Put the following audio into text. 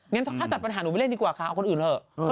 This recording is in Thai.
งั้นถ้าจัดปัญหาหนูไปเล่นดีกว่าค่ะเอาคนอื่นเถอะ